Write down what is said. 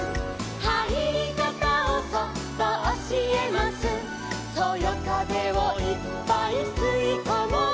「はいりかたをそっとおしえます」「そよかぜをいっぱいすいこもう」